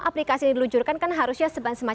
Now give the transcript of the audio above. aplikasi diluncurkan kan harusnya